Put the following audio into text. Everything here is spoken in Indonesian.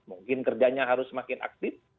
mungkin kerjanya harus semakin aktif